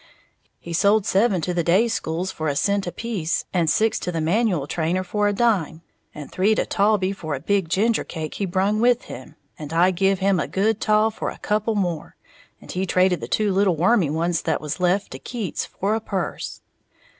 "He sold seven to the day schools for a cent apiece, and six to the manimal trainer for a dime, and three to Taulbee for a big gingercake he brung with him, and I give him a good taw for a couple more, and he traded the two little wormy ones that was left to Keats for a purse."